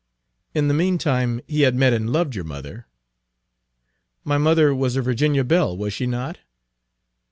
"In the mean time he had met and loved your mother." "My mother was a Virginia belle, was she not?"